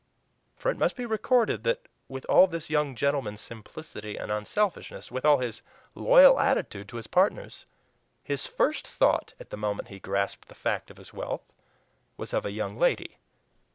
For it must be recorded that with all this young gentleman's simplicity and unselfishness, with all his loyal attitude to his partners, his FIRST thought at the moment he grasped the fact of his wealth was of a young lady.